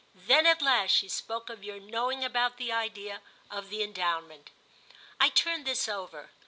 Then at last she spoke of your knowing about the idea of the Endowment." I turned this over.